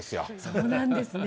そうなんですね。